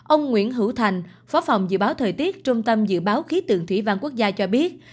ông nguyễn hữu thành phó phòng dự báo thời tiết trung tâm dự báo khí tượng thủy văn quốc gia cho biết